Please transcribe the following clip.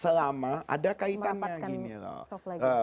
selama ada kaitannya gini loh